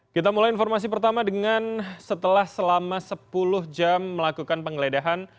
kita mulai informasi pertama dengan setelah selama sepuluh jam melakukan penggeledahan